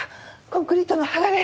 コンクリートのはがれ。